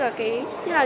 như là những một số